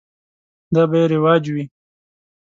دا به یې رواج وي.